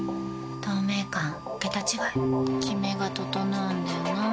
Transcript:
透明感桁違いキメが整うんだよな。